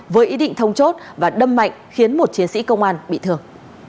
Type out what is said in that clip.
với ý định thông chốt và đâm mạnh khiến một chiến sĩ công an bị thương